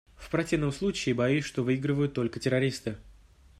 В противном случае боюсь, что выиграют только террористы.